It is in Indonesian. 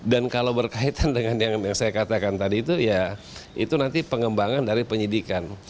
dan kalau berkaitan dengan yang saya katakan tadi itu ya itu nanti pengembangan dari penyidikan